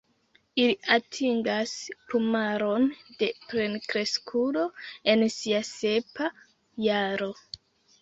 Ili atingas plumaron de plenkreskulo en sia sepa jaro.